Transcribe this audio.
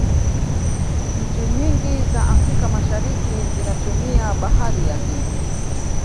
nchi nyingi za africa mashariki zinatumia bahari ya hindi